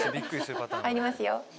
入りますよ。